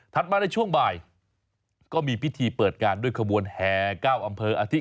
มาในช่วงบ่ายก็มีพิธีเปิดงานด้วยขบวนแห่๙อำเภออาทิตย